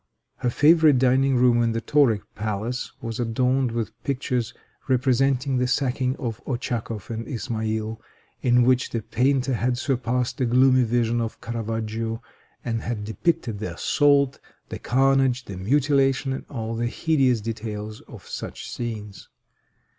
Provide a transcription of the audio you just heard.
Her favorite dining room in the Tauric palace was adorned with pictures representing the sacking of Ohkzakoff and Ismail, in which the painter had surpassed the gloomy vision of a Carravaggio, and had depicted the assault, the carnage, the mutilation, and all the hideous details of such scenes.